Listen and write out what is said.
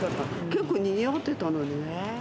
結構にぎわってたのにね。